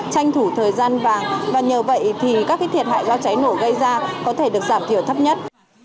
tranh thủ thời gian vàng và nhờ vậy thì các thiệt hại do cháy nổ gây ra có thể được giảm thiểu thấp nhất